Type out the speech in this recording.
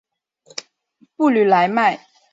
布吕莱迈。